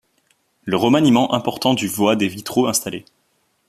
Le remaniement important du voit des vitraux installés.